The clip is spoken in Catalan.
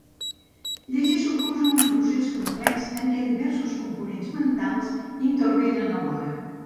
Llegir suposa un procés complex en què diversos components mentals intervenen alhora.